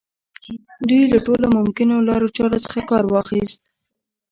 دوی له ټولو ممکنو لارو چارو څخه کار واخيست.